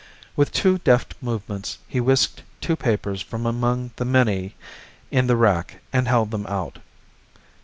With two deft movements he whisked two papers from among the many in the rack, and held them out.